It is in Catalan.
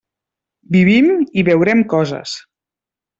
Vivim, i veurem coses.